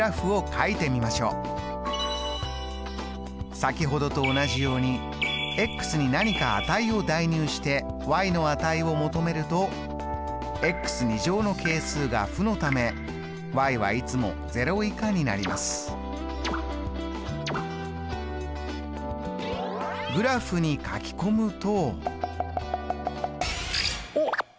先ほどと同じようにに何か値を代入しての値を求めるとの係数が負のためはいつも０以下にグラフにかき込むと。